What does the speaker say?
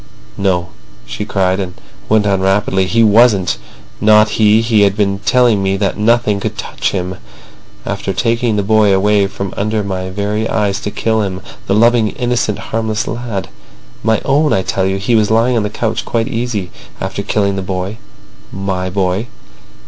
"No," she cried, and went on rapidly. "He wasn't. Not he. He had been telling me that nothing could touch him. After taking the boy away from under my very eyes to kill him—the loving, innocent, harmless lad. My own, I tell you. He was lying on the couch quite easy—after killing the boy—my boy.